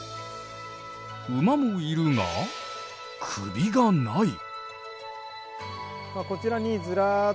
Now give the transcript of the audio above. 馬もいるが首がない。